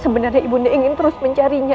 sebenarnya ibu nda ingin terus mencarinya